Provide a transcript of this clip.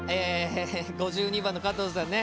５２番の加藤さんね